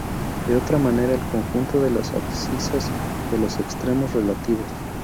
De otra manera el conjunto de las abscisas de los extremos relativos.